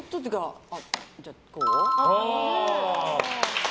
じゃあ、こう。